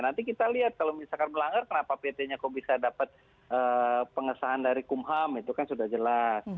nanti kita lihat kalau misalkan melanggar kenapa pt nya kok bisa dapat pengesahan dari kumham itu kan sudah jelas